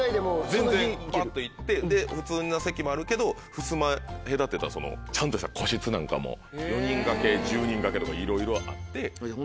全然パッと行って普通の席もあるけどふすま隔てたちゃんとした個室なんかも４人がけ１０人がけとかいろいろあって。